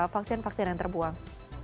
vaksin vaksin yang terbuang